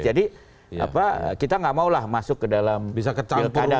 kita nggak maulah masuk ke dalam pilkada